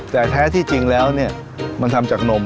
แต่แท้ที่จริงแล้วเนี่ยมันทำจากนม